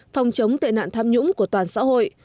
phòng chống tệ nạn tham nhũng của toàn xã hội